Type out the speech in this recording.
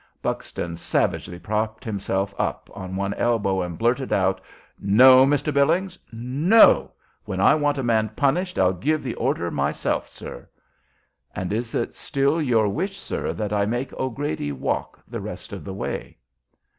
Buxton savagely propped himself up on one elbow, and blurted out, "No, Mr. Billings! no! When I want a man punished I'll give the order myself, sir." "And is it still your wish, sir, that I make O'Grady walk the rest of the way?"